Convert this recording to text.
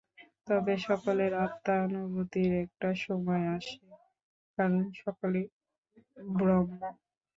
তবে সকলের আত্মানুভূতির একটা সময় আসে, কারণ সকলেই ব্রহ্ম।